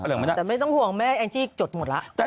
แต่ไม่ต้องห่วงแม่แองจี้จดหมดแล้ว